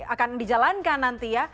akan dijalankan nanti ya